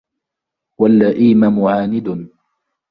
وَاللَّئِيمَ مُعَانِدٌ